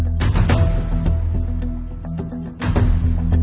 สวัสดีครับ